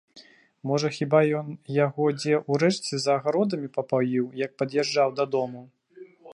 Можа, хіба ён яго дзе ў рэчцы за агародамі папаіў, як пад'язджаў дадому.